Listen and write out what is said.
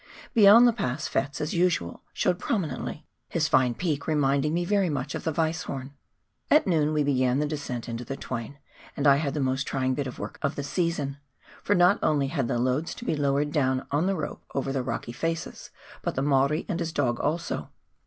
Beyond the Pass, Fettes, as usual, showed prominently, his fine peak reminding me very much of the Weisshorn. At noon we began the descent into the Twain, and I had the most trying bit of work of the season, for not only had the loads to be lowered down on the rope over the rocky faces, but the Maori and his dog also.